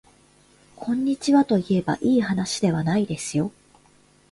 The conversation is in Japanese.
こんにちはといえばいいはなしではないですよ